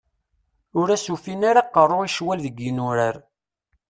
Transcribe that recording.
Ur as-ufun ara aqerru i ccwal deg yinurar.